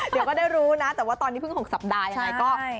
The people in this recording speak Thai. เดี๋ยวก็ได้รู้นะแต่ว่าตอนนี้เพิ่ง๖สัปดาห์ยังไงก็